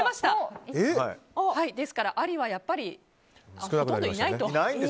ですから、ありはやっぱりほとんどいないと。